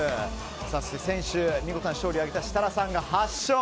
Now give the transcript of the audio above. そして、先週見事な勝利を挙げた設楽さんが８勝。